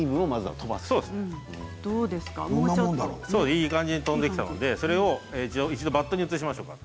いい感じにとんできたのでそれを一度バットに移しましょうか。